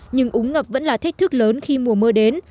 nhưng úng ngập vẫn là thách thức lớn khi mùa mưa đến